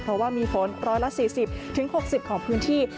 เพราะว่ามีฝน๑๔๐๖๐ของพื้นที่